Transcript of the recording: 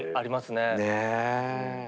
ねえ。